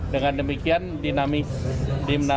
dengan demikian dinamis